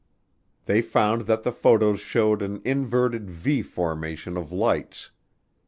They found that the photos showed an inverted V formation of lights.